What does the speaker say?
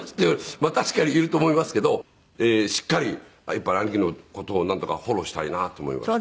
まあ確かにいると思いますけどしっかり兄貴の事をなんとかフォローしたいなと思いました。